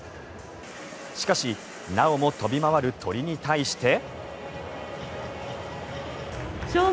しかし、なおも飛び回る鳥に対して。